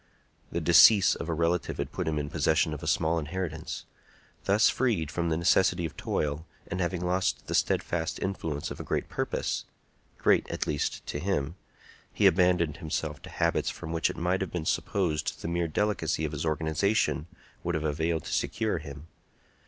The decease of a relative had put him in possession of a small inheritance. Thus freed from the necessity of toil, and having lost the steadfast influence of a great purpose,—great, at least, to him,—he abandoned himself to habits from which it might have been supposed the mere delicacy of his organization would have availed to secure him.